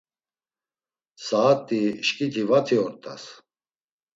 Saat̆i şkiti vati ort̆as.